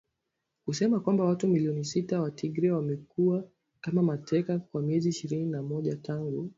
kusema kwamba watu milioni sita wa Tigray wamekuwa kama mateka kwa miezi ishirini na moja tangu